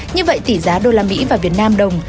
như vậy tỷ giá đô la mỹ và việt nam đồng